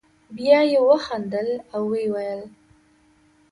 بیا یې وخندل او ویې ویل.